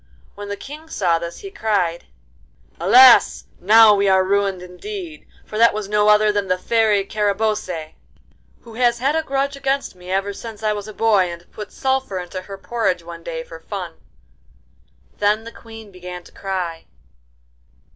When the King saw this he cried: 'Alas! now we are ruined indeed, for that was no other than the Fairy Carabosse, who has had a grudge against me ever since I was a boy and put sulphur into her porridge one day for fun.' Then the Queen began to cry.